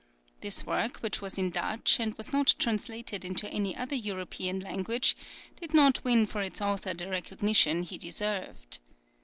This work, which was in Dutch, and was not translated into any other European language, did not win for its author the recognition he deserved.